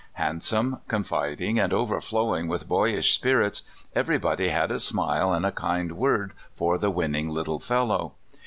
Handsome, confiding, and overflowing with boyish spirits, everybody had a smile and a kind word for the winning little fellow.